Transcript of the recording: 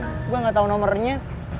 gue nggak tahu nomernya